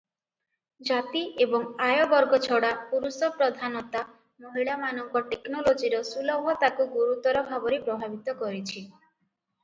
ଜାତି ଏବଂ ଆୟ ବର୍ଗ ଛଡ଼ା ପୁରୁଷପ୍ରଧାନତା ମହିଳାମାନଙ୍କ ଟେକ୍ନୋଲୋଜିର ସୁଲଭତାକୁ ଗୁରୁତର ଭାବରେ ପ୍ରଭାବିତ କରିଛି ।